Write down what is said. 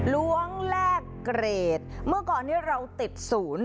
ล้วงแลกเกรดเมื่อก่อนนี้เราติดศูนย์